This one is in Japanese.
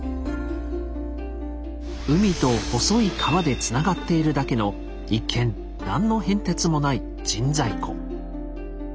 海と細い川でつながっているだけの一見何の変哲もない神西湖。